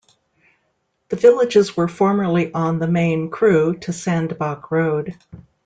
The villages were formerly on the main Crewe to Sandbach road.